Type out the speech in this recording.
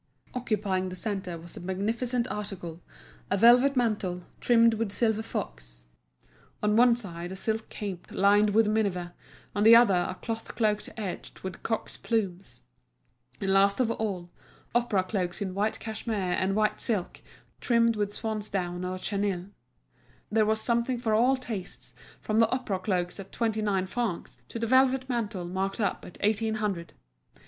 Occupying the centre was a magnificent article, a velvet mantle, trimmed with silver fox; on one side a silk cape lined with miniver, on the other a cloth cloak edged with cocks' plumes; and last of all, opera cloaks in white cashmere and white silk trimmed with swansdown or chenille. There was something for all tastes, from the opera cloaks at twenty nine francs to the velvet mantle marked up at eighteen hundred.